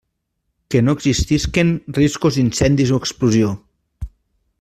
Que no existisquen riscos d'incendis o explosió.